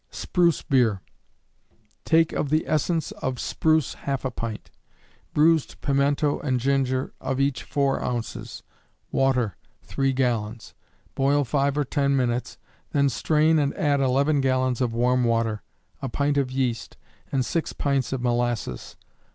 Spruce Beer. Take of the essence of spruce half a pint; bruised pimento and ginger, of each four ounces; water, three gallons. Boil five or ten minutes, then strain and add 11 gallons of warm water, a pint of yeast, and six pints of molasses.